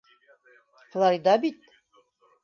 Флорида бит...